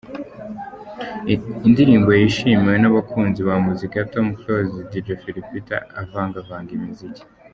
" indirimbo yishimiwe n'abakunzi ba muzika ya Tom CloseDj Phil Peter avangavanga imiziki.